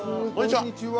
こんにちは。